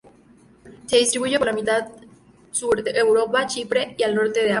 Se distribuye por la mitad sur de Europa, Chipre y el norte de África.